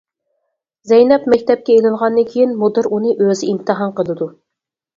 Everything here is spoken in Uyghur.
زەينەپ مەكتەپكە ئېلىنغاندىن كېيىن مۇدىر ئۇنى ئۆزى ئىمتىھان قىلىدۇ.